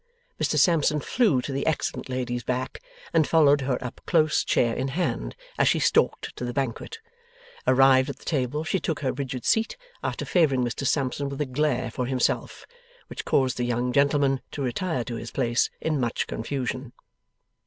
Mr Sampson flew to the excellent lady's back, and followed her up close chair in hand, as she stalked to the banquet. Arrived at the table, she took her rigid seat, after favouring Mr Sampson with a glare for himself, which caused the young gentleman to retire to his place in much confusion.